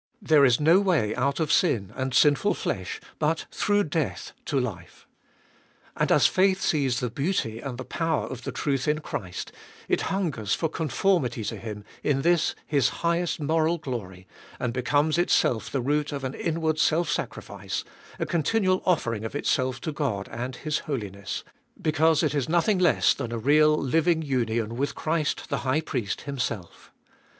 There is no way out of sin and sinful flesh, but through death to life. And as faith sees the beauty and the power of the truth in Chr;st, it hungers for conformity to Him in this His highest moral glory, and becomes itself the root of an inward self sacrifice, a continual offering of itself to God and His holiness; because it is nothing less than a real, living union with Christ the High Priest Himself.